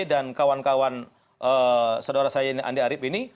dan kawan kawan saudara saya andi arief ini